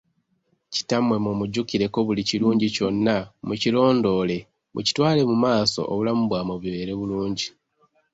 Kittamwe mu mujjukireko buli kirungi kyonna mu kirondoole mukitwale mumaaso obulamu bwammwe bubeere bulungi.